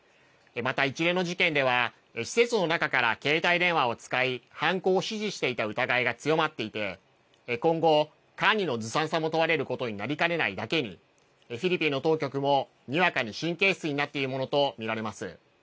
また一連の事件では、施設の中から携帯電話を使い、犯行を指示していた疑いが強まっていて、今後、管理のずさんさも問われることになりかねないだけに、フィリピンの当局も、にわかに神経質になっているものと見られます。